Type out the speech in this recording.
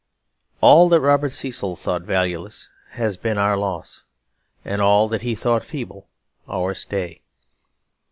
All that Robert Cecil thought valueless has been our loss, and all that he thought feeble our stay.